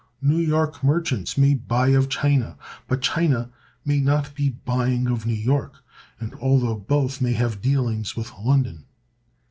New York merchants may buy of China, but China may not be buying of New York, although both may have dealings with London.